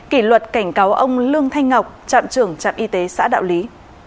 kỷ luật cảnh cáo ông lương thanh ngọc trạm trưởng trạm y tế xã đạo lý